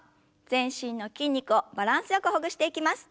全身の筋肉をバランスよくほぐしていきます。